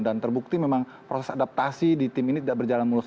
dan terbukti memang proses adaptasi di tim ini tidak berjalan mulus